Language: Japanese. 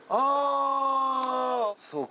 そうか。